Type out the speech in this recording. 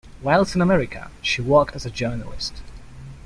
Whilst in America she worked as a journalist.